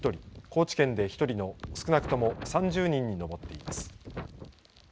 高知県で１人の少なくとも、３０人に上っています。